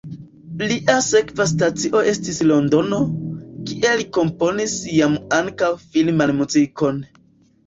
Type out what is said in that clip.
Lia sekva stacio estis Londono, kie li komponis jam ankaŭ filman muzikon.